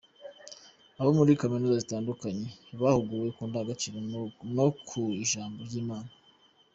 Abo muri Kaminuza zitandukanye bahuguwe ku ndangagaciro no ku ijambo ry’Imana